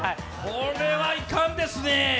これはいかんですね。